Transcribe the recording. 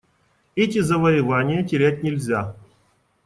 Эти завоевания терять нельзя.